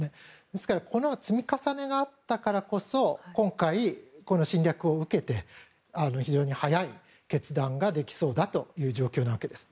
ですからこの積み重ねがあったからこそ今回の侵略を受けて非常に早い決断ができそうだという状況なわけです。